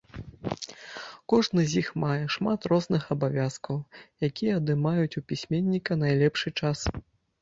Кожны з іх мае шмат розных абавязкаў, якія адымаюць у пісьменніка найлепшы час.